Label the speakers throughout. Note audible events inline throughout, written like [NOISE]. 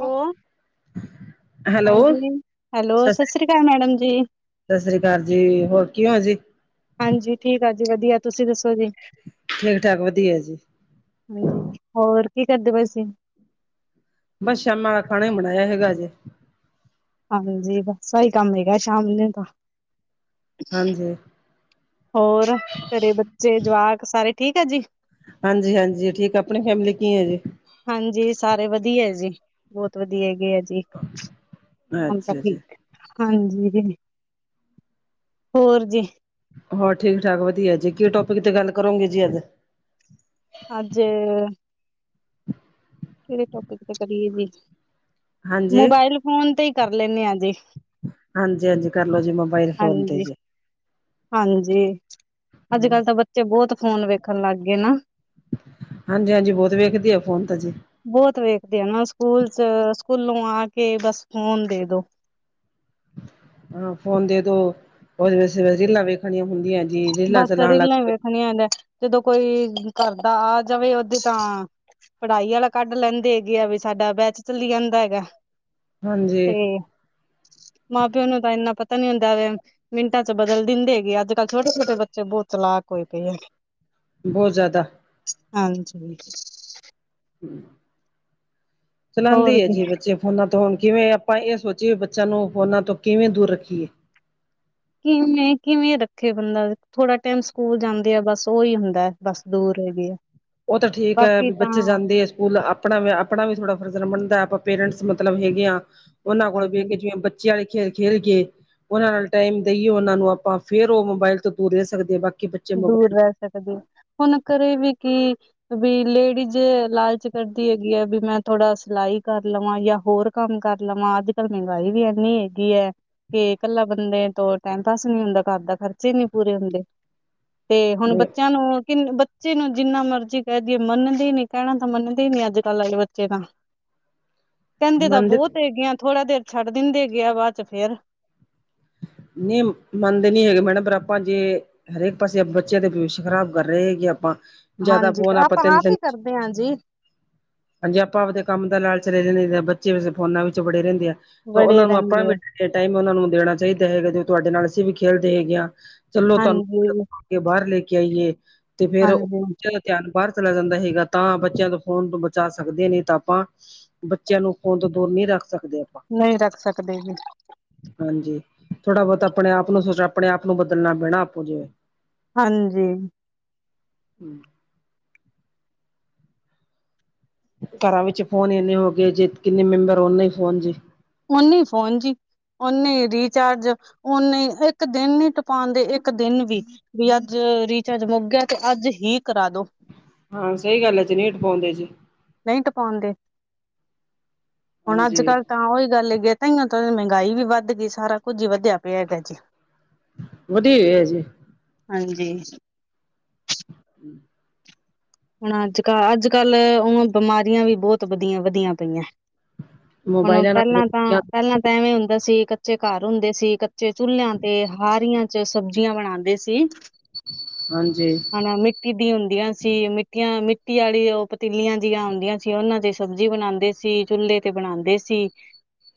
Speaker 1: Hello,
Speaker 2: hello
Speaker 1: ਹਾਂਜੀ, hello ਸਸਰੀ ਸ੍ਰੀ ਅਕਾਲ ਮੈਡਮ ਜੀ।
Speaker 2: ਸਾਸਰੀਕਾਲ ਜੀ, ਹੋਰ ਕੀ ਹਾਲ ਜੀ?
Speaker 1: ਹਾਂਜੀ ਠੀਕ ਆ ਜੀ ਵਧੀਆ, ਤੁਸੀਂ ਦੱਸੋ ਜੀ?
Speaker 2: ਠੀਕ ਠਾਕ, ਵਧੀਆ ਜੀ।
Speaker 1: ਹਾਂਜੀ, ਹੋਰ ਕੀ ਕਰਦੇ ਪਏ ਸੀ?
Speaker 2: ਬਸ ਸ਼ਾਮਾਂ ਵਾਲਾ ਖਾਣਾ ਹੀ ਬਣਾਇਆ ਹੈਗਾ ਅਜੇ।
Speaker 1: [UNINTELLIGIBLE] ਹਾਂਜੀ, ਬਸ ਆਹੀ ਕੰਮ ਹੈਗਾ, ਸ਼ਾਮ ਨੂੰ ਤਾਂ
Speaker 2: ਹਾਂਜੀ।
Speaker 1: ਹੋਰ, ਘਰੇ ਬੱਚੇ ਜਵਾਕ ਸਾਰੇ ਠੀਕ ਆ ਜੀ?
Speaker 2: ਹਾਂਜੀ, ਹਾਂਜੀ ਠੀਕ ਆ ਆਪਣੀ ਫੈਮਿਲੀ ਕੀ ਆ ਜੀ?
Speaker 1: ਹਾਂਜੀ, ਸਾਰੇ ਵਧੀਐ ਜੀ, ਬਹੁਤ ਵਧੀਆ ਹੈਗੇ ਆ ਜੀ। ਹੁਣ ਤਾਂ
Speaker 2: ਅੱਛਾ ਜੀ
Speaker 1: ਠੀਕ ਹਾਂਜੀ, ਹੋਰ ਜੀ।
Speaker 2: ਹੋਰ ਠੀਕ-ਠਾਕ ਵਧੀਆ ਜੀ, ਕੀ ਟੋਪਿਕ ਤੇ ਗੱਲ ਕਰੋਗੇ ਜੀ ਅੱਜ?
Speaker 1: ਅੱਜ ਕਿਹੜੇ ਟੋਪਿਕ ਤੇ ਕਰੀਏ ਜੀ,
Speaker 2: ਹਾਂਜੀ
Speaker 1: ਮੋਬਾਇਲ ਫੋਨ ਤੇ ਹੀ ਕਰ ਲੈਂਦੇ ਆਂ ਜੇ।
Speaker 2: ਹਾਂਜੀ-ਹਾਂਜੀ ਕਰਲੋ ਜੀ ਮੋਬਾਇਲ ਫੋਨ ਤੇ
Speaker 1: ਹਾਂਜੀ,
Speaker 2: ਜੇ।
Speaker 1: ਹਾਂਜੀ, ਅੱਜ -ਕੱਲ ਤਾਂ ਬੱਚੇ ਬਹੁਤ ਫੋਨ ਵੇਖਣ ਲੱਗ ਗਏ ਨਾ।
Speaker 2: ਹਾਂਜੀ -ਹਾਂਜੀ ਬਹੁਤ ਵੇਖਦੀ ਆ ਫੋਨ, ਤਾਂ ਜੇ
Speaker 1: ਬਹੁਤ ਵੇਖਦੇ ਆ ਨਾ, ਸਕੂਲ ਚ ਸਕੂਲੋਂ ਆ ਕੇ ਬਸ ਫੋਨ ਦੇ ਦੋ।
Speaker 2: ਹਾਂ, ਫੋਨ ਦੇਦੋ ਉਹਦੇ ਵਿੱਸ ਰੀਲਾਂ ਵੇਖਣੀਆਂ ਹੁੰਦੀਆਂ ਨੇ।
Speaker 1: ਬਸ ਰੀਲਾਂ ਹੀ ਵੇਖਣੀਆਂ ਨੇ, ਜਦੋਂ ਕੋਈ ਘਰਦਾ ਆ ਜਾਵੇ ਉਦੋਂ ਤਾਂ ਪੜ੍ਹਾਈ ਆਲਾ ਕੱਢ ਲੈਂਦੇ ਹੈਗੇ ਆ ਵੀ ਸਾਡਾ ਬੈਚ ਚਲੀ ਜਾਂਦਾ ਹੈਗਾ
Speaker 2: ਹਾਂਜੀ
Speaker 1: ਤੇ ਮਾਂ ਪਿਓ ਨੂੰ ਤਾਂ ਇੰਨਾ ਪਤਾ ਨੀ ਹੁੰਦਾ ਵੇ, ਮਿੰਟਾਂ ਚ ਬਦਲ ਦਿੰਦੇ ਹੈਗੇ ਅੱਜ ਕੱਲ ਛੋਟੇ, ਛੋਟੇ ਬੱਚੇ ਬਹੁਤ ਚਲਾਕ ਹੋਏ ਪਏ ਆ।
Speaker 2: ਬਹੁਤ ਜ਼ਿਆਦਾ।
Speaker 1: ਹਾਂਜੀ।
Speaker 2: ਚਲਾਉਦੇ
Speaker 1: ਹੋਰ
Speaker 2: ਆ
Speaker 1: ਦੀ
Speaker 2: ਜੀ ਬੱਚੇ ਫ ਫੋਨਾਂ ਤੋਂ ਹੁਣ ਕਿਵੇਂ ਆਪਾਂ ਇਹ ਸੋਚੀਏ ਵੀ ਬੱਚਿਆਂ ਨੂੰ ਫੋਨਾਂ ਤੋਂ ਕਿਵੇਂ ਦੂਰ ਰੱਖੀਏ।
Speaker 1: ਕਿਵੇਂ, ਕਿਵੇਂ ਰੱਖੇ ਬੰਦਾ, ਥੋੜਾ ਟੈਮ ਸਕੂਲ ਜਾਂਦੇ ਆ ਬਸ ਉਹੀ ਹੁੰਦਾ। ਬਸ ਦੂਰ ਹੇਗੇ ਆ।
Speaker 2: ਉਹ ਤਾਂ ਠੀਕ ਆ
Speaker 1: ਬਾਕੀ
Speaker 2: ਵੀ
Speaker 1: ਤਾਂ
Speaker 2: ਬੱਚੇ ਜਾਂਦੇ ਆ ਸਕੂਲ ਅਪ ਆਪਣਾ, ਆਪਣਾ ਵੀ ਥੋੜਾ ਫਰਜ਼ ਬਣਦਾ, ਆਪਾਂ ਪੇਰੈਂਟਸ ਮਤਲਬ ਹੈਗੇ ਆ, ਉਹਨਾਂ ਕੋਲ ਬੇਹ
Speaker 1: ਹਾਂਜੀ
Speaker 2: ਕੇ ਜਿਵੇਂ ਬ ਚੇਹ ਖੇ ਖੇਲ ਕੇ [INAUDIBLE] ਉਹਨਾਂ ਨਾਲ ਟਾਈਮ ਦੇਈਏ ਉਹਨਾਂ ਨੂੰ ਆਪਾਂ, ਫੇਰ ਉਹ ਮੋਬਾਇਲ ਤੋਂ ਦੂਰ ਰਹਿ ਸਕਦੇ ਬਾਕੀ ਬਚ
Speaker 1: ਦੂਰ ਰਹਿ ਸਕਦੀ, ਹੁਣ ਘਰੇ ਵੀ ਕੀ ਵੀ ਲੇਡੀਜ਼, ਲਾਲਚ ਕਰਦੀ ਹੈਗੀ ਹੈ, ਵੀ ਮੈਂ ਥੋੜਾ ਸਿਲਾਈ ਕਰ ਲਵਾਂ, ਜਾਂ ਹੋਰ ਕੰਮ ਕਰ ਲਵਾਂ, ਅੱਜ ਕੱਲ ਮਹਿੰਗਾਈ ਵੀ ਇੰਨੀ ਹੈਗੀ ਹੈ। ਤੇ ਇਕੱਲਾ ਬੰਦੇ ਤੋਂ ਟੈਮ ਪਾਸ ਨਹੀਂ ਹੁੰਦਾ, ਘਰ ਦਾ ਖਰਚੇ ਨਹੀਂ ਪੂਰੇ ਹੁੰਦੇ। ਤੇ ਹੁਣ, ਬੱਚਿਆਂ ਨੂੰ ਕਿ ਬੱਚੇ ਨੂੰ ਜਿੰਨਾ ਮਰਜ਼ੀ ਕਹਿ ਦੇਈਏ ਮੰਨਦੇ ਨੀ, ਕਹਿਣਾ ਤਾਂ ਮੰਨਦੇ ਨਈ, ਅੱਜ-ਕੱਲ ਆਲੇ ਬੱਚੇ ਤਾਂ। ਕਹਿੰਦੇ ਤਾਂ
Speaker 2: ਮੰਨਦੇ
Speaker 1: ਬਹੁਤ ਹੈਗੇ ਆਂ, ਥੋੜਾ ਦੇਰ ਛੱਡ ਦਿੰਦੇ ਹੈਗੇ ਆ ਬਾਅਦ ਚ ਫੇਰ
Speaker 2: ਨੀਂ, ਮੰਨਦੇ ਨੀ ਹੈਗੇ, ਮੈਡਮ ਪਰ ਆਪਾਂ ਜੇ ਹਰੇਕ ਪਾਸੇ, ਆਪ ਬੱਚਿਆਂ ਦਾ ਭਵਿੱਸ਼ ਖ਼ਰਾਬ ਕਰ ਰਹੇ ਹੈ ਆਪਾਂ ਜਿਆਦਾ,
Speaker 1: ਹਾਂਜੀ
Speaker 2: ਫੋਨ ਆਪਾਂ ਤਿੰਨ
Speaker 1: ਆਪ
Speaker 2: ਤਿਨ
Speaker 1: ਹੀ
Speaker 2: ਚ
Speaker 1: ਕਰਦੇ ਹਾਂ ਜੀ
Speaker 2: ਹਾਂਜੀ, ਆਪਾਂ ਆਪਦੇ ਕੰਮ ਦਾ ਲਾਲਚ ਲੇ ਰਹਦੇ, ਬੱਚੇ ਵੈਸੇ ਫੋਨਾ ਵਿੱਚ ਵੜੇ ਰਹਿੰਦੇ ਆ ਤੋ
Speaker 1: ਬੜੇ
Speaker 2: ਉਹਨਾਂ ਨੂੰ, ਆਪਾਂ
Speaker 1: ਰਹਿੰਦੇ ਆ
Speaker 2: ਵੀ ਟਾਈਮ ਉਹਨਾਂ ਨੂੰ ਦੇਣਾ ਚਾਹੀਦਾ ਹੈਗਾ, ਤੇ ਤੁਹਾਡੇ ਨਾਲ ਅਸੀਂ ਵੀ ਖੇਡਦੇ ਹੈਗੇ ਹਾਂ ਚਲੋ ਤੁਹਾਨੂੰ
Speaker 1: ਹਾਂਜੀ
Speaker 2: [UNINTELLIGIBLE] ਕੇ ਬਾਹਰ ਲੈ ਕੇ ਆਈਏ ਤੇ ਫੇਰ [INAUDIBLE]
Speaker 1: ਹਾਂਜੀ
Speaker 2: ਧਿਆਨ, ਬਾਹਰ ਚਲਾ ਜਾਂਦਾ ਹੈਗਾ, ਤਾਂ ਬੱਚਿਆਂ ਤੋਂ ਫੋਨ ਤੋਂ ਬਚਾ ਸਕਦੇ ਨੇ ਤਾਂ ਆਪਾਂ। ਬੱਚਿਆਂ ਨੂੰ ਫੋਨ ਤੋ ਦੂਰ ਨਈ ਰੱਖ ਸਕਦੇ ਆਪਾ।
Speaker 1: ਨਹੀ ਰੱਖ ਸਕਦੇ ਜੀ।
Speaker 2: ਹਾਂਜੀ, ਥੋੜ੍ਹਾ-ਬੋਤ ਅਪਣੇ ਆਪ ਨੂੰ ਅਪਣੇ ਆਪ ਨੂੰ ਬਦਲਣਾ ਪੈਣਾ ਆਪੋ ਜੇ
Speaker 1: ਹਾਂਜੀ।
Speaker 2: ਘਰਾ ਵਿੱਚ ਫੋਨ ਇੰਨੇ ਹੋ ਗਏ ਜੇ, ਕਿੰਨੇ ਮੈਂਬਰ ਓਨੇ ਈ ਫੋਨ ਜੇ‌।
Speaker 1: ਫੋਨੀ-ਫੋਨ ਜੀ। ਉਹਨੇ ਈ ਰੀਚਾਰਜ ਓਨੇ ਈ ਇੱਕ ਦਿਨ ਨੀ ਟਪਾਂਦੇ ਏਕ ਦਿਨ ਵੀ। ਵੀ ਅੱਜ, ਰੀਚਾਰਜ ਮੁੱਕ ਗਿਆ ਤੇ ਅੱਜ ਹੀ ਕਰਾਦੋ।
Speaker 2: ਹਾਂ ਸਹੀ ਗੱਲ ਆ ਜ ਨਈ ਟਪਾਉਂਦੇ ਜੀ।
Speaker 1: ਨਹੀਂ, ਤਪਾਉਂਦੇ, ਹੁਣ
Speaker 2: ਹਾਂਜੀ
Speaker 1: ਅੱਜ-ਕੱਲ ਤਾਂ ਉਹੀ ਗੱਲ ਹੈਗੀ ਏ ਤਾਂ ਇਓ ਮਹਿੰਗਾਈ ਵੀ ਵੱਧ ਗਈ, ਸਾਰਾ ਕੁੱਝ ਹੀ ਵੱਧਿਆ ਪਿਆ ਹੈਗਾ ਜੇ‌।
Speaker 2: ਵਧੀ ਹੋਇਆ ਜੀ
Speaker 1: ਹਾਂਜੀ।
Speaker 2: ਹੂ
Speaker 1: ਹੁਣ ਅੱਜ-ਕੱਲ, ਅੱਜ ਕੱਲ ਓਂ ਬਿਮਾਰੀਆਂ ਵੀ ਬੋਹਤ ਵਧੀਆ, ਵਧੀਆਂ ਪਈਆਂ। ਹੁਣ,
Speaker 2: ਮੋਬਾਇਲਾਂ ਨਾਲ
Speaker 1: ਪਹਿਲਾਂ ਤਾਂ ਪਹਿਲਾਂ ਐਵੇਂ ਹੁੰਦਾ ਸੀ ਕੱਚੇ ਘਰ ਹੁੰਦੇ ਸੀ, ਕੱਚੇ ਚੁਲਿਆਂ ਤੇ ਹਾਰੀਆਂ'ਚ ਸਬਜ਼ੀਆਂ ਬਣਾਂਦੇ ਸੀ।
Speaker 2: ਹਾਂਜੀ
Speaker 1: ਹਨਾ ਮਿੱਟੀ ਦੀ ਹੁੰਦੀਆਂ ਸੀ, ਮਿੱ ਮਿੱਟੀਆ, ਮਿੱਟੀ ਵਾਲੀ ਉਹ ਪਤੀਲੀਆਂ ਜੀਆਂ ਹੁੰਦੀਆਂ ਸੀ, ਉਹਨਾਂ ਤੇ ਸਬਜ਼ੀ ਬਣਾਂਦੇ ਸੀ, ਚੁੱਲੇ ਤੇ ਬਣਾਂਦੇ ਸੀ,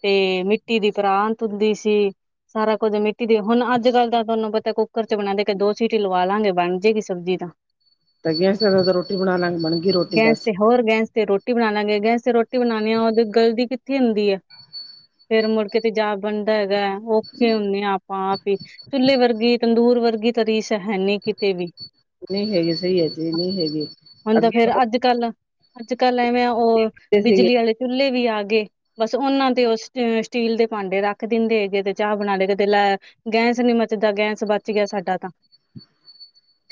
Speaker 1: ਤੇ ਮਿੱਟੀ ਦੀ ਪਰਾਂਤ ਹੁੰਦੀ ਸੀ। ਸਾਰਾ ਕੁੱਝ ਮਿੱਟੀ ਦੇ ਹੁਣ ਅੱਜ-ਕੱਲ ਤਾਂ ਤੁਹਾਨੂੰ ਪਤਾ ਕੁੱਕਰ'ਚ ਬਣਾਂਦੇ, ਕੇ ਦੋ ਸੀਟੀ ਲਵਾ ਲਾਂਗੇ ਬਣਜੇਗੀ ਸਬਜ਼ੀ ਤਾਂ।
Speaker 2: ਤਾਂ ਗੈਸ ਰੋਟੀ ਬਣਾਲਾਂਗੇ ਬਣੀ
Speaker 1: ਗੈਸ ਤੇ ਹੋਰ, ਗੈਸ ਤੇ ਰੋਟੀ ਬਣਾ ਲਾਂਗੇ, ਗੈਸ ਤੇ ਰੋਟੀ ਬਣਾਣੀ ਆ ਉਹਦੀ ਗਲਦੀ ਕਿੱਥੇ ਹੁੰਦੀ ਏ। ਫੇਰ ਮੁੜਕੇ ਤੇਜਾਬ ਬਣਦਾ ਹੈਗਾ ਔਖੇ ਹੁੰਨੇ ਆਂ ਆਪਾਂ-ਆਪੀ। ਚੁੱਲੇ ਵਰਗੀ, ਤੰਦੂਰ ਵਰਗੀ, ਤ ਰੀਸ ਹੈਨੀ ਕਿਤੇ ਵੀ।
Speaker 2: ਨਹੀਂ ਹੈਗੀ ਸਹੀ ਆ ਜੀ, ਨਹੀਂ ਹੈਗੀ।
Speaker 1: ਹੁਣ ਤਾ
Speaker 2: ਅੱਗੇ
Speaker 1: ਫੇਰ ਅੱਜ-ਕੱਲ, ਅੱਜ-ਕੱਲ ਐਵੇਂ ਆ ਉਹ
Speaker 2: ਕਰਦੇ ਸੀਗੇ
Speaker 1: ਬਿਜਲੀ ਵਾਲੇ ਚੁੱਲੇ ਵੀ ਆਗੇ। ਬਸ ਉਹਨਾਂ ਤੇ ਉਹ ਸਟੀਲ ਦੇ ਭਾਂਡੇ ਰੱਖ ਦਿੰਦੇ ਹੇਗੇ ਤੇ ਚਾਹ ਬਣਾਲੇ, ਕਦੇ ਲੈ ਗੈਸ ਨੀ ਮਚਦਾ, ਗੈਸ ਬਚਗਿਆ ਸਾਡਾ ਤਾ,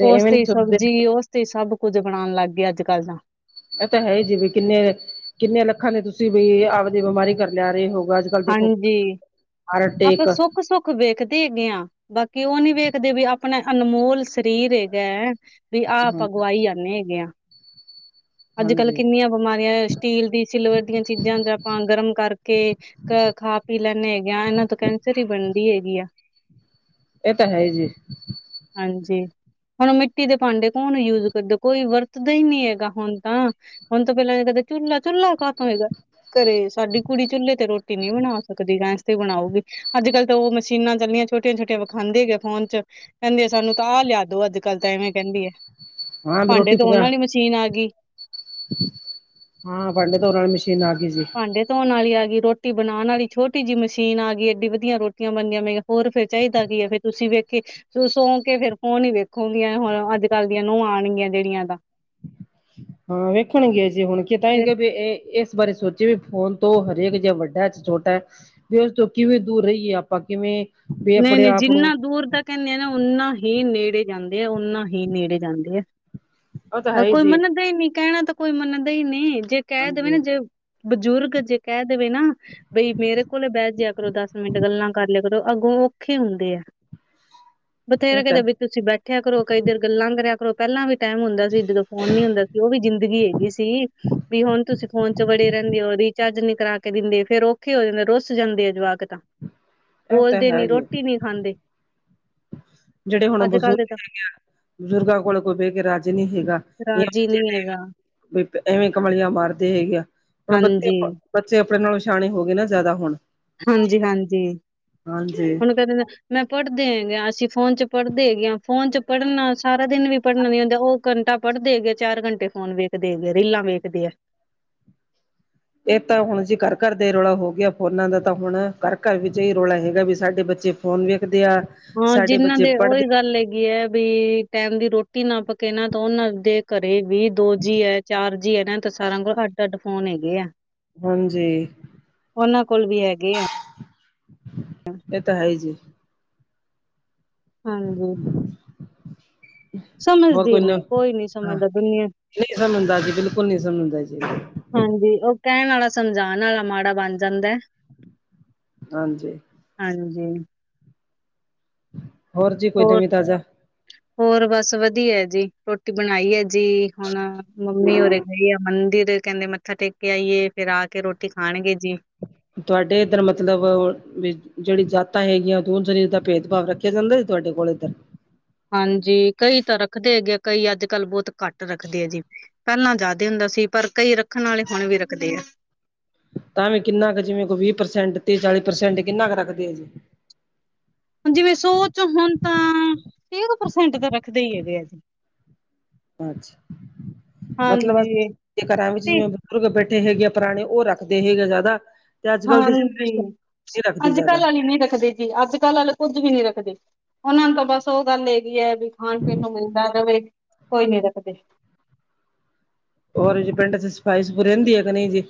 Speaker 1: ਓਸ
Speaker 2: ਐਵੇਂ ਨੀ
Speaker 1: ਤੇ
Speaker 2: ਸੋਚਦੇ
Speaker 1: ਸਬਜ਼ੀ ਓਸ ਤੇ ਸਭ ਕੁੱਝ ਬਣਾਣ ਲੱਗ ਗਏ ਅੱਜ-ਕੱਲ ਤਾ।
Speaker 2: ਇਹ ਤਾਂ ਹੈ ਜਿਵੇਂ ਕਿੰਨੇ, ਕਿੰਨੇ ਲੱਖਾਂ ਦੇ ਤੁਸੀਂ ਵੀ ਆਪਦੀ, ਬਿਮਾਰੀ ਘਰ ਲਿਆਰੇ ਹੋ
Speaker 1: ਹਾਂਜੀ, ਆਪਾ ਸੁੱਖ-ਸੁੱਖ ਵੇਖਦੇ ਹੇਗੇ ਆਂ, ਬਾਕੀ ਉਹ ਨੀ ਵੇਖਦੇ ਵੀ ਆਪਣਾ ਅਨਮੋਲ ਸਰੀਰ ਹੇਗਾ ਵੀ ਆਹ
Speaker 2: ਹਾਂ
Speaker 1: ਆਪਾ ਗਵਾਈ ਜਾਂਨੇ ਹੇਗੇ ਆ, ਅੱਜ-ਕੱਲ
Speaker 2: ਹਾਂਜੀ
Speaker 1: ਕਿੰਨੀਆਂ ਬਿਮਾਰੀਆਂ ਸਟੀਲ ਦੀ, ਸਿਲਵਰ ਦੀਆਂ ਚੀਜ਼ਾਂ'ਚ ਆਪਾਂ ਗਰਮ ਕਰਕੇ ਅ, ਖਾ-ਪੀ ਲੈਂਨੇ ਹੈਗੇ ਆਂ ਇਹ ਨਾਲ ਤ ਕੈਂਸਰ ਹੀ ਬਣਦੀ ਹੇਗੀ ਆ।
Speaker 2: ਇਹ ਤਾ ਹੈਈ ਜੀ।
Speaker 1: ਹਾਂਜੀ। ਹੁਣ ਮਿੱਟੀ ਦੇ ਭਾਂਡੇ ਕੌਣ ਯੂਜ ਕਰਦਾ, ਕੋਈ ਵਰਤਦਾ ਹੀ ਨਹੀ‌ ਹੇਗਾ ਹੁਣ ਤਾਂ। ਹੁਣ ਤੋਂ ਪਹਿਲਾਂ ਕਦੇ, ਚੁੱਲਾ, ਚੁੱਲਾ ਕਾ ਤੋ‌ ਹੋਏਗਾ, ਘਰੇ ਸਾਡੀ ਕੁੜੀ ਚੁੱਲੇੇ ਤੇ ਰੋਟੀ ਨਹੀਂ ਬਣਾ ਸਕਦੀ। ਗੈਂਸ ਤੇ ਬਣਾਊਗੀ। ਅੱਜ-ਕੱਲ ਤਾਂ ਉਹ ਮਸ਼ੀਨਾਂ ਚੱਲੀਆਂ ਛੋਟੀਆਂ-ਛੋਟੀਆਂ ਵਿਖਾਂਦੇ ਹੈਗੇ ਆ ਫੋਨ'ਚ। ਕਹਿੰਦੀ ਆ ਸਾਨੂੰ ਤਾਂ ਆ ਲਿਆਦੋ ਅੱਜ-ਕੱਲ ਤੇ ਐਂਵੇਂ ਕਹਿੰਦੀ ਏ,
Speaker 2: ਹਾਂ ਵੀ
Speaker 1: ਭਾਂਡੇ
Speaker 2: ਰੋਟੀ
Speaker 1: ਧੋਣ
Speaker 2: ਪਕਾ
Speaker 1: ਵਾਲੀ ਮਸ਼ੀਨ ਆਗੀ।
Speaker 2: ਹਾਂ, ਭਾੰਡੇ ਧੋਣ ਨਾਲ ਵਾਲੀ ਮਸ਼ੀਨ ਆਗੀ ਜੀ।
Speaker 1: ਭਾਂਡੇ ਧੋਣ ਵਾਲੀ ਆਗੀ, ਰੋਟੀ ਬਣਾਣ ਵਾਲੀ ਛੋਟੀ ਜਿਹੀ ਮਸ਼ੀਨ ਆਗੀ, ਏਡੀ ਵਧੀਆ ਰੋਟੀਆਂ ਬਣਦੀਆਂ ਮੇਂ ਹੋਰ ਫੇਰ ਚਾਹੀਦਾ ਕੀ ਆ‌, ਫਿਰ ਤੁਸੀ ਵੇਖੇ ਸੋਂਕੇ ਫੋਨ ਹੀ ਵੇਖੋਂਗੀਆ, ਹੁਣ ਅੱਜ-ਕੱਲ ਦੀਆਂ ਨੂੰਹਾਂ ਆਣਗੀਆਂ ਜਿਹੜੀਆਂ ਤਾ।
Speaker 2: ਹਾਂ ਵੇਖਣਗੀਆਂ, ਜੇ ਹੁਣ ਕਿ ਤਾਂ ਵੀ ਇਹ ਇਸ ਬਾਰੇ ਸੋਚੇ ਵੀ ਫੋਨ ਤੋਂ ਹਰੇਕ ਜਾ ਵੱਡਾ ਛੋਟਾ ਏ, ਵੀ ਓਸ ਤੋਂ ਕਿਵੇਂ ਦੂਰ ਰਹੀਏ, ਆਪਾ ਕਿਵੇਂ ਵੀ ਆਪਣੇ
Speaker 1: ਨੲੀਂ-ਨੲੀਂ,
Speaker 2: ਆਪ ਨੂੰ
Speaker 1: ਜਿੰਨਾ ਦੂਰ ਦਾ ਕੈਨੇ ਆ ਨਾ, ਓਨਾ ਹੀ ਨੇੜੇ ਜਾਂਦੇ ਐ-ਓਨਾ ਹੀ ਨੇੜੇ ਜਾਂਦੇ ਐ।
Speaker 2: ਉਹ ਤਾਂ
Speaker 1: ਅ
Speaker 2: ਹੈ ਹੀ
Speaker 1: ਕੋਈ
Speaker 2: ਜੀ
Speaker 1: ਮੰਨਦਾ ਈ ਨੀ, ਕੈਣਾ ਤਾਂ ਕੋਈ ਮੰਨਦਾ ਈ ਨੀ, ਜੇ ਕੈਅ ਦੇਵੇ
Speaker 2: ਹਾਂਜੀ
Speaker 1: ਨਾ ਜੇ ਬਜ਼ੁਰਗ ਜੇ ਕੈਅ ਦੇਵੇ ਨਾ, ਬਈ ਮੇਰੇ ਕੋਲੇ ਬੈਅ ਜਿਆ ਕਰੋ, ਦਸ ਮਿੰਟ ਗੱਲਾਂ ਕਰ ਲਿਆ ਅੱਗੋ ਔਖੇ ਹੁੰਦੇ ਐ,
Speaker 2: ਇਹ
Speaker 1: ਬਥੇਰੇ
Speaker 2: ਤਾਂ
Speaker 1: ਕਿਤੇ ਬੀ ਤੁਸੀਂ ਬੈਠਿਆ ਕਰੋ, ਕਈ ਦੇਰ ਗੱਲਾਂ ਕਰਿਆ ਕਰੋ। ਪਹਿਲਾਂ ਵੀ ਟੈਮ ਹੁੰਦਾ ਸੀ, ਜਦੋਂ ਫੋਨ ਨੀ ਹੁੰਦਾ ਸੀ, ਓ ਵੀ ਜ਼ਿੰਦਗੀ ਹੈਗੀ ਸੀ। ਵੀ ਹੁਣ ਤੁਸੀਂ ਫੋਨ ਚ ਵੜੇ ਰਹਿੰਨੇ ਓ ਬੀ। ਚਾਰਜਰ ਨੀ ਕਰਾ ਕੇ ਦਿੰਦੇ ਫੇਰ ਔਖੇ ਹੋ ਜੰਦੇ ਰੁੱਸ ਜਾਂਦੇ ਐ ਜਵਾਕ ਤਾਂ।
Speaker 2: ਇਹ ਤਾਂ
Speaker 1: ਬੋਲਦੇ ਨੀ
Speaker 2: ਹੈ ਜੀ
Speaker 1: ਰੋਟੀ ਨੀਂ ਖਾਂਦੇ।
Speaker 2: ਜਿਹੜੇ ਹੁਣ
Speaker 1: ਅੱਜ ਕੱਲ੍ਹ
Speaker 2: ਬਜ਼ੁਰਗ
Speaker 1: ਦੇ ਤਾਂ
Speaker 2: ਹੈਗੇ ਬਜ਼ੁਰਗਾਂ ਕੋਲ ਕੋਈ ਬੇ ਕੇ ਰਾਜੀ ਨੀ ਹੇਗਾ,
Speaker 1: ਰਾਜੀ ਨੀ ਹੈਗਾ
Speaker 2: [UNINTELLIGIBLE] ਏ ਤ ਐਵੇਂ ਕਮਲੀਆਂ ਮਾਰਦੇ ਹੈਗੇ ਆ, ਹੁਣ ਬੱਚੇ
Speaker 1: ਹਾਂਜੀ
Speaker 2: ਬੱਚੇ ਆਪਣੇ ਨਾਲੋ ਸ਼ਿਆਣੇ ਹੋ ਗੇ ਨਾ ਜ਼ਿਆਦਾ ਹੁਣ।
Speaker 1: ਹਾਂਜੀ-ਹਾਂਜੀ,
Speaker 2: ਹਾਂਜੀ
Speaker 1: ਹੁਣ ਕੈ ਦੇਦ ਮੈਂ ਪੜ੍ਹਦੇ ਹੈਗੇ ਆਂ ਅਸੀਂ ਫੋਨ ਚ, ਪੜ੍ਹਦੇ ਹੈਗੇ ਆਂ, ਫੋਨ ਚ ਪੜ੍ਹਨਾ, ਸਾਰਾ ਦਿਨ ਵੀ ਪੜ੍ਹਨਾ ਨੀ ਹੁੰਦਾ। ਓ ਘੰਟਾ ਪੜ੍ਹਦੇ ਏਗੇ ਐ ਚਾਰ ਘੰਟੇ ਫੋਨ ਵੇਖਦੇ ਏਗੇ ਆ, ਰੀਲਾਂ ਵੇਖਦੇ ਐ।
Speaker 2: ਏ ਤਾਂ ਹੁਣ ਜੀ ਘਰ-ਘਰ ਦੇ ਰੌਲਾ ਹੋ ਗਿਆ ਫੋਨਾਂ ਦਾ ਤਾਂ ਹੁਣ ਘਰ-ਘਰ ਏਈ ਵਿੱਚ ਰੌਲਾ ਹੈਗਾ ਵੀ ਸਾਡੇ ਬੱਚੇ ਫ਼ੋਨ ਵੇਖਦੇ ਆ
Speaker 1: ਹਾਂ
Speaker 2: ਸਾਡੇ
Speaker 1: ਜਿੰਨਾਂ
Speaker 2: ਬੱਚੇ
Speaker 1: ਦੇ ਉਹੀ
Speaker 2: ਪੜ੍ਹਦੇ
Speaker 1: ਗੱਲ ਹੈਗੀ ਐ ਵੀ, ਟੈਮ ਦੀ ਰੋਟੀ ਨਾ ਪਕੇ ਨਾ ਤਾਂ ਓਨਾਂ ਦੇ ਘਰੇ ਵੀ ਦੋ ਜੀ ਐ ਚਾਰ ਜੀ ਐ ਨਾ ਤਾਂ ਸਾਰਾਂ ਕੋਲ ਅੱਡ-ਅੱਡ ਫੋਨ ਹੈਗੇ ਐ।
Speaker 2: ਹਾਂਜੀ।
Speaker 1: ਕੋਲ ਵੀ ਹੈਗੇ ਆ।
Speaker 2: ਏ ਤਾਂ ਹੈ ਈ ਜੀ।
Speaker 1: ਹਾਂਜੀ।
Speaker 2: ਹੋਰ
Speaker 1: ਸਮਜਦੇ
Speaker 2: ਨ
Speaker 1: ਨੀ ਕੋਈ ਨੀ
Speaker 2: ਹਾਂ
Speaker 1: ਸਮਜਦਾ ਦੁਨੀਆਂ
Speaker 2: ਨਹੀਂ ਸਮਜਦਾ ਜੀ ਬਿਲਕੁਲ ਨਹੀਂ ਸਮਜਦਾ ਜੀ।
Speaker 1: ਹਾਂਜੀ ਓ ਕੈਅਣ ਆਲਾ ਸਮਝਾਣ ਆਲਾ ਮਾੜਾ ਬਣ ਜਾਂਦੈ।
Speaker 2: ਹਾਂਜੀ।
Speaker 1: ਹਾਂਜੀ।
Speaker 2: ਹੋਰ ਜੀ ਕੋਈ ਨਵੀਂ ਤਾਜ਼ਾ।
Speaker 1: ਹੋਰ ਬਸ ਵਦੀਐ ਜੀ ਰੋਟੀ ਬਨਾਈ ਐ ਜੀ ਹੁਣ, ਮੰਮੀ ਉਰੇ ਗੲੀ ਐ ਮੰਦਿਰੇ ਕਹਿੰਦੇ ਮੱਥਾ ਟੇਕ ਏ ਆਈਏ ਫਿਰ ਆ ਕੇ ਰੋਟੀ ਖਾਣਗੇ ਜੀ।
Speaker 2: ਤੁਆਡੇ ਏਧਰ ਮਤਲਬ ਵੀ ਜਿਹੜੀ ਜਾਤਾਂ ਹੈਗੀਆਂ [UNINTELLIGIBLE] ਚੀਜ ਦਾ ਭੇਦਭਾਵ ਰੱਖ [UNINTELLIGIBLE] ਦੈ ਤੁਹਾਡੇ ਕੋਲ ਏਦਰ
Speaker 1: ਹਾਂਜੀ ਕਈ ਤਾਂ ਰੱਖਦੇ ਹੈਗੇ ਆ ਕਈ ਅੱਜ ਕੱਲ੍ਹ ਬੋਤ ਘੱਟ ਰੱਖਦੇ ਐ ਜੀ। ਪਹਿਲਾਂ ਜ਼ਾਦੇ ਹੁੰਦਾ ਸੀ ਪਰ ਕਈ ਰੱਖਨ ਆਲੇ ਹੁਨ ਵੀ ਰੱਖਦੇ ਐ।
Speaker 2: ਤਾਂਵੀ ਕਿੰਨਾ ਕ ਜਿਵੇਂ ਕੋ ਵੀਹ ਪ੍ਰਸੈਂਟ, ਤੀ-ਚਾਲੀ ਪ੍ਰਸੈਂਟ ਕਿੰਨਾ ਕ ਰੱਖਦੇ ਐ ਜੀ।
Speaker 1: ਹੁਣ ਜਿਵੇਂ, ਸੋਚ ਹੁਣ ਤਾਂ ਤੀਹ ਕੁ ਪਰਸੈਂਟ ਤਾਂ ਰੱਖਦੇ ਈ ਹੈਗੇ ਆ ਜੀ।
Speaker 2: ਅੱਛਾ ਮਤਲਬ
Speaker 1: ਹਾਂਜੀ
Speaker 2: ਕ
Speaker 1: ਤੇ
Speaker 2: [UNINTELLIGIBLE] [UNINTELLIGIBLE] ਬੈਠੇ ਹੈਗੇ ਆ ਪੁਰਾਣੇ ਓ ਰੱਖਦੇ ਹੈਗੇ ਜਾਦਾ।
Speaker 1: ਹਾਂਜੀ,
Speaker 2: ਰੱਖਦੀ
Speaker 1: ਅੱਜ
Speaker 2: ਜ਼ਿਆਦਾ
Speaker 1: ਕੱਲ੍ਹ ਆਲ ਈ ਨੀ ਰੱਖਦੇ ਏ ਅੱਜ ਕੱਲ੍ਹ ਆਲ ਕੁੱਝ ਵੀ ਨੀ ਰੱਖਦੇ। ਓਨਾਂ ਨੂੰ ਤਾਂ ਬਸ ਉਹ ਗੱਲ ਹੇਗੀ ਐ ਵੀ ਖਾਣ-ਪੀਣ ਨੂੰ ਮਿਲਦਾ ਰਵੇ ਕੋਈ ਨੀ ਰੱਖਦੇ।
Speaker 2: ਹੋਰ ਜੀ ਪਿੰਡ ਚ ਸਫਾਈ ਸਫੂ ਰਹਿੰਦੀ ਐ ਕਿ ਨੲੀਂ ਜੀ?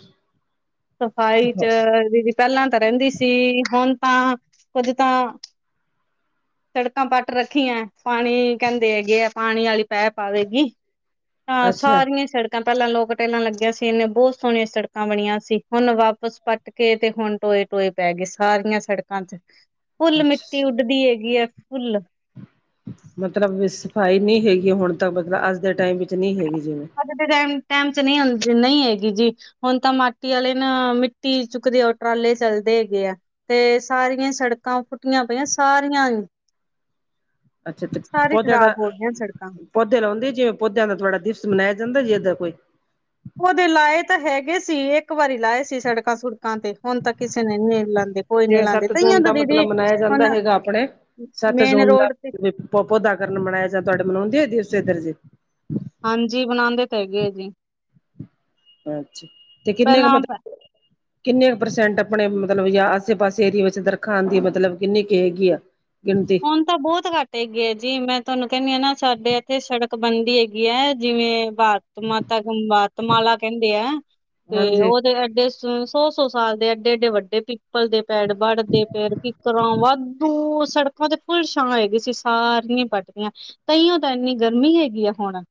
Speaker 1: ਸਫ਼ਾਈ ਚ ਦੀਦੀ ਪਹਿਲਾਂ ਤਾਂ ਰਹਿੰਦੀ ਸੀ ਹੁਣ ਤਾਂ, ਕੁੱਝ ਤਾਂ ਛੜਕਾਂ ਪੱਟ ਰੱਖੀਐਂ ਪਾਣੀ ਕਹਿੰਦੇ ਹੈਗੇ ਐ ਪਾਣੀ ਆਲੀ ਪੈਪ ਆਵੇਗੀ। ਹਾਂ
Speaker 2: ਅੱਛਾ
Speaker 1: ਸਾਰੀਐਂ ਸੜਕਾਂ ਪਹਿਲਾਂ ਲੋਕ ਟੈਲਾਂ ਲੱਗਿਆਂ ਸੀ ਇਨੇ ਬਹੁਤ ਸੋਹਣੀਆਂ ਸੜਕਾਂ ਬਣੀਆਂ ਸੀ। ਹੁਣ ਵਾਪਸ ਪੱਟ ਕੇ ਤੇ ਹੁਣ ਟੋਏ-ਟੋਏ ਪੈ ਗਏ ਸਾਰੀਆਂ ਸੜਕਾਂ ਚ। ਫੁੱਲ ਮਿੱਟੀ
Speaker 2: ਅੱਛਾ
Speaker 1: ਉੱਡਦੀ ਹੈਗੀ ਐ ਫੁੱਲ।
Speaker 2: ਮਤਲਬ ਸਫਾਈ ਨੀ ਹੈਗੀ ਹੁਣ ਤਾ ਮਤਲਾ ਅੱਜ ਦੇ ਟਾਈਮ ਵਿੱਚ ਨੀ ਹੈਗੀ ਜੀ।
Speaker 1: ਅੱਜ ਦੇ ਟੈਮ ਟੈਮ ਚ ਨੲੀਂ ਹੰਜੀ ਨੲੀਂ ਹੈਗੀ ਜੀ ਹੁਨ ਤਾਂ ਮਾਟੀ ਆਲੇ ਨਾ ਮਿੱਟੀ ਚੁੱਕਦੇ ਓ ਟਰਾਲੇ ਚੱਲਦੇ ਹੈਗੇ ਐ। ਤੇ ਸਾਰੀਆਂ ਸੜਕਾਂ ਪੁੱਂਟੀਆਂ ਪਈਐਂਂ ਸਾਰੀਆਂ ਈ।
Speaker 2: ਅੱਛਾ ਤੇ
Speaker 1: ਸਾਰੇ
Speaker 2: ਪੌਦਿਆਂ
Speaker 1: ਖ਼ਰਾਬ
Speaker 2: ਦਾ
Speaker 1: ਹੋ ਗਿਆਂ ਸੜਕਾਂ।
Speaker 2: ਪੌਦੇ ਲੋਉਂਦੀ, ਜਿਵੇਂ ਪੌਦਿਆਂ ਦਾ ਥੋੜਾ, ਦਿਸਮ ਲੈ ਜਾਂਦਾ ਜੇਦਾ ਕੋਈ।
Speaker 1: ਪੌਦੇ ਲਾਏ ਤਾਂ ਹੈਗੇ ਸੀ, ਏਕ ਵਾਰੀ ਲਾਏ ਸੀ ਸੜਕਾਂ ਸੁੜਕਾਂ ਤੇ। ਹੁਣ ਤਾਂ ਕਿਸੇ ਨੇ ਨੀ ਲਾਂਦੇ, ਕੋਏ ਨੀ
Speaker 2: ਜਿਵੇਂ
Speaker 1: ਲਾਂਦੇ,
Speaker 2: ਸੱਤ
Speaker 1: ਕਈਆਂ
Speaker 2: ਜੂਨ
Speaker 1: ਦਾ ਦੀਦੀ,
Speaker 2: ਮਤਲਬ ਮਨਾਇਆ ਜਾਂਦਾ
Speaker 1: ਹੁਣ
Speaker 2: ਹੈਗਾ
Speaker 1: ਮੇਨ ਰੋਡ ਤੇ
Speaker 2: ਪੋ ਪੌਦਾ ਕਰਨ ਮਨਾਇਆ ਜਾ, ਤੁਹਾਡੇ ਮਨਾਉਂਦੇ ਆ ਦਿਵਸ ਇੱਧਰ ਜੇ?
Speaker 1: ਹਾਂਜੀ ਬਣਾਂਦੇ ਤੇ ਹੈਗੇ ਐ ਜੀ।
Speaker 2: ਅੱਛਾ, ਤੇ ਕਿੰਨੇ ਕੁ
Speaker 1: ਪਹਿਲਾਂ
Speaker 2: ਮਤ
Speaker 1: [INAUDIBLE]
Speaker 2: ਕਿੰਨੇ ਪ੍ਰਸੈਂਟ ਅਪਣੇ ਮਤਲਬ ਯਾ ਆਸੇ ਪਾਸੇ ਏਰੀਏ ਵਿੱਚ ਦਰਖਾ ਦੀ ਮਤਲਬ ਕਿੰਨੀ ਕੇ ਹੈਗੀ ਆ? ਗਿਣਤੀ।
Speaker 1: ਹੁਣ ਤਾਂ ਬਹੁਤ ਘੱਟ ਹੈਗੀ ਏ, ਜੀ ਮੈਂ ਤੁਆਨੂੰ ਕੇਹਣੀ ਆ ਨਾ, ਸਾਡੇ ਏਥੇ ਸੜਕ ਬਣਦੀ ਹੈਗੀ ਐ ਜਿਵੇਂ [UNINTELLIGIBLE] ਮਾਤਾ ਕੰ ਵਾਤਮਾਲਾ ਕੈਂਦੇ ਐ, ਤੇ
Speaker 2: ਹਾਂਜੀ
Speaker 1: ਉਹ ਤੇ ਐਡੇ ਸੌ ਸੌ ਸਾਲ ਦੇ ਐਡੇ ਐਏਡੇ ਵੱਡੇ ਪਿੱਪਲ ਦੇ ਪੈੜ ਵੜਦੇ ਪੈੜ ਕਿਕਰਾਂ ਵਾਧੂ ਸੜਕ ਤੇ ਫੁੱਲ ਛਾਂ ਹੈਗੀ ਸੀ। ਸਾਰੀਆਂ ਵੱਟਦੀਆਂ ਤਹੀਓ ਤਾਂ ਇੰਨੀ ਗਰਮੀ ਹੈਗੀ ਆ ਹੁਣ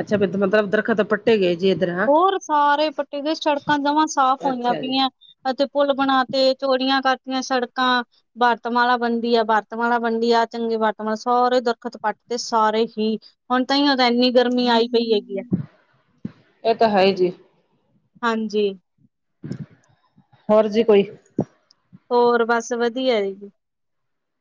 Speaker 2: ਅੱਛਾ ਮਤਲਬ ਉੱਧਰ ਦਰੱਖਤ ਪਟ ਗਏ ਜੇ ਇਧਰਾਂ
Speaker 1: ਹੋਰ ਸਾਰੇ ਪੱਟੇ ਦੇ ਸੜਕਾਂ ਦਵਾਂ ਸਾਫ਼ ਹੋਈਆਂ
Speaker 2: ਅੱਛਾ ਜੀ
Speaker 1: ਪਈਆਂ। ਅਤੇ ਪੁਲ ਬਣਾ ਤੇ ਚੋੜੀਆਂ ਕਰਤੀਆਂ ਸੜਕਾਂ ਵਰਤਮਾਲਾ ਬਣਦੀ ਆ, ਬਰਤਮਾਲਾ ਬਣਦੀ ਆ, ਚੰਗੇ ਵਰਤਮਾਲਾ, ਸਾਰੇ ਦਰਖਤ ਕੱਟ ਤੇ, ਸਾਰੇ ਹੀ। ਹੁਣ ਤਾਇਓ ਤਾਂ ਇੰਨੀ ਗਰਮੀ ਆਈ ਪਈ ਹੈਗੀ ਏ।
Speaker 2: ਏਹ ਤਾਂ ਹੈ ਈ ਜੀ।
Speaker 1: ਹਾਂਜੀ।
Speaker 2: ਹੋਰ ਜੀ ਕੋਈ?
Speaker 1: ਹੋਰ ਬਾਸ ਵਧੀਆ [UNINTELLIGIBLE]